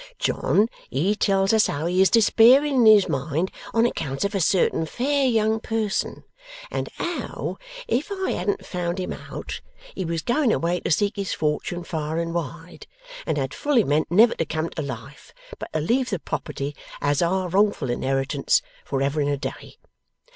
John, he tells us how he is despairing in his mind on accounts of a certain fair young person, and how, if I hadn't found him out, he was going away to seek his fortune far and wide, and had fully meant never to come to life, but to leave the property as our wrongful inheritance for ever and a day.